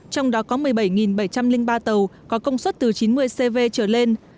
trong đó có một mươi bảy bảy trăm linh ba tàu có công suất từ chín mươi cv trở lên